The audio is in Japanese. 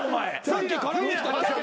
さっき絡んできたでしょ。